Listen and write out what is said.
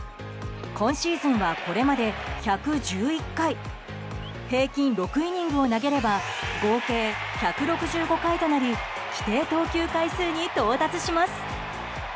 今シーズンは、これまで１１１回平均６イニングを投げれば合計１６５回となり規定投球回数に到達します。